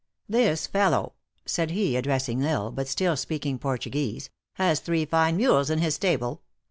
"This fellow," said he, addressing L lsle, but still speaking Portuguese, " has three line mules in his stable.